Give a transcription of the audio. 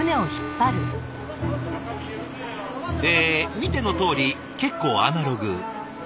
見てのとおり結構アナログ。